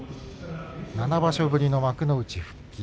７場所ぶりの幕内復帰。